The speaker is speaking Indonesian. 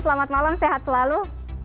selamat malam sehat selalu